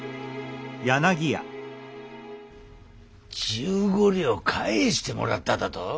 十五両返してもらっただと？